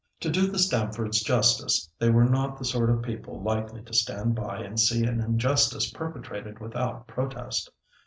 To do the Stamfords justice, they were not the sort of people likely to stand by and see an injustice perpetrated without protest.